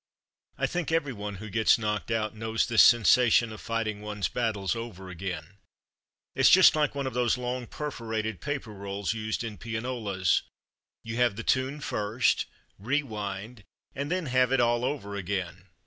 I think everyone who gets "knocked 4 From Mud to Mufti out*' knows this sensation of "fighting one's battles over again/' It's just like one of those long perforated paper rolls used in pianolas : you have the tune first, re wind, and then have it all over again.